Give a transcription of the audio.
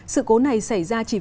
sự cố này xảy ra trong tình huống